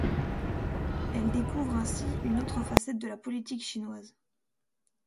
Elle découvre ainsi un autre facette de la politique chinoise.